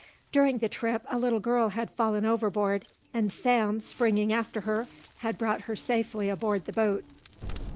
During the trip a little girl had fallen overboard and Sam, springing after her, had brought her safely aboard the boat.